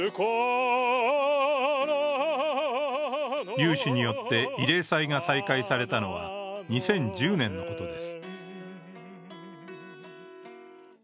有志によって慰霊祭が再開されたのは２０１０年のことです。